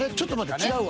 違うわ。